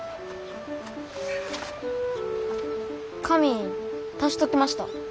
紙足しときました。